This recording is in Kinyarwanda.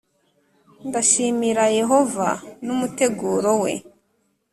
Ndashimira Yehova n’ umuteguro we.